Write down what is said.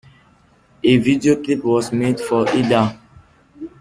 A video clip was made for "Ida".